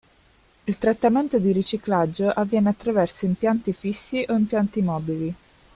Il trattamento di riciclaggio avviene attraverso impianti fissi o impianti mobili.